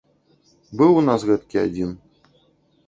Быў у нас гэткі адзін.